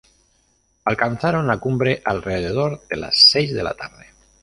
Alcanzaron la cumbre alrededor de las seis de la tarde.